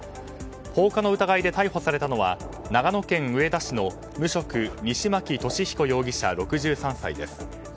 放火の疑いで逮捕されたのは長野県上田市の無職西牧敏彦容疑者、６３歳です。